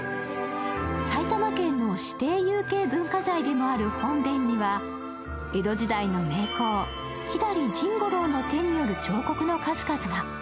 埼玉県の指定有形文化財でもある本殿には江戸時代の名工、左甚五郎の手による彫刻の数々が。